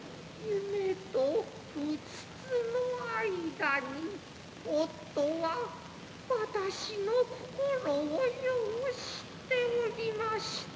夢とうつつの間に夫は私の心をよう知っておりました。